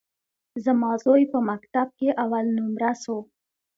زما زوى په مکتب کښي اول نؤمره سو.